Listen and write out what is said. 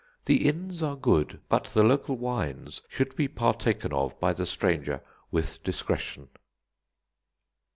The inns are good; but the local wines should be partaken of by the stranger with discretion."